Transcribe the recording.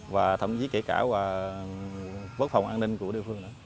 và thậm chí kể cả bất phòng an ninh của địa phương